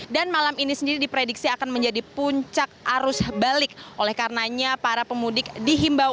dan malam ini sendiri diprediksi akan menjadi puncak arus balik oleh karenanya para pemudik dihimbau